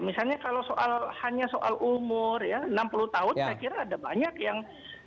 misalnya kalau hanya soal umur ya enam puluh tahun saya kira ada banyak yang